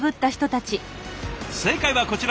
正解はこちら。